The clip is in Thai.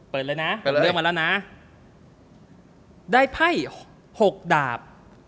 เปิดเลยนะเลือกมาแล้วนะได้ไพ่๖ดาบ